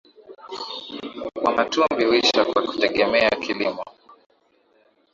Wamatumbi huishi kwa kutegemea kilimo